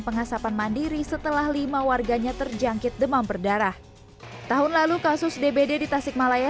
pengasapan mandiri setelah lima warganya terjangkit demam berdarah tahun lalu kasus dbd di tasikmalaya